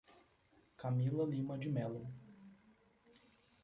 Camila Lima de Melo